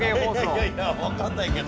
いやいや分かんないけど。